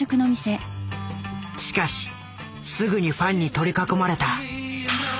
しかしすぐにファンに取り囲まれた。